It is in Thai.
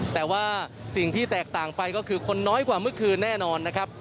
แต่ว่าสิ่งที่แตกต่างไปก็คือคนน้อยกว่าเมื่อคืนแน่นอนนะครับ